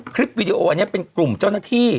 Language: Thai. วีดีโออันนี้เป็นกลุ่มเจ้าหน้าที่